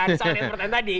soal yang pertanyaan tadi